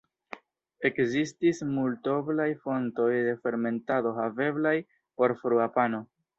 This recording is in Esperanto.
Ekzistis multoblaj fontoj de fermentado haveblaj por frua pano.